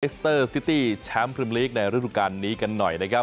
สเตอร์ซิตี้แชมป์พรีมลีกในฤดูการนี้กันหน่อยนะครับ